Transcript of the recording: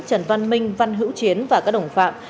trần văn minh văn hữu chiến và các đồng phạm